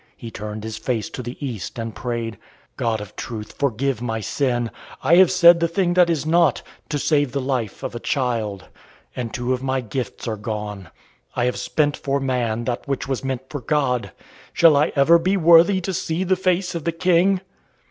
He turned his face to the east and prayed: "God of truth, forgive my sin! I have said the thing that is not, to save the life of a child. And two of my gifts are gone. I have spent for man that which was meant for God. Shall I ever be worthy to see the face of the King?"